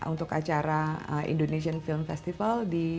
untuk acara indonesian film festival